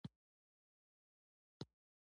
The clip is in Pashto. دواړو په لیدو سره وژړل او یو بل ته یې غېږه ورکړه